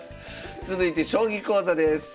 続いて将棋講座です。